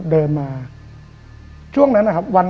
เดินมาช่วงนั้นนะครับ